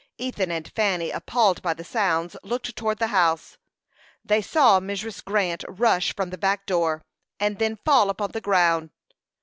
Ethan and Fanny, appalled by the sounds, looked towards the house. They saw Mrs. Grant rush from the back door, and then fall upon the ground.